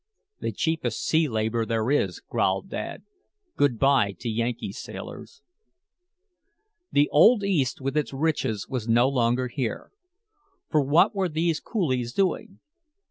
"The cheapest sea labor there is," growled Dad. "Good by to Yankee sailors." The Old East with its riches was no longer here. For what were these Coolies doing?